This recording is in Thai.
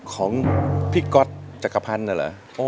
ของพี่ก๊อตจักรพันธ์น่ะเหรอ